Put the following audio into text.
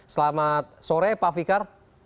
selamat sore pak fikar